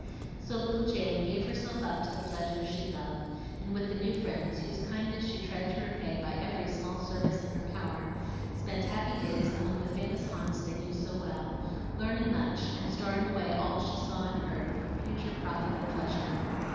So little Jane gave herself up to the pleasures she loved, and with the new friends, whose kindness she tried to repay by every small service in her power, spent happy days among the famous haunts they knew so well, learning much and storing away all she saw and heard for future profit and pleasure.